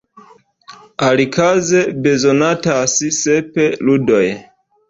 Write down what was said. Alikaze bezonatas sep ludoj.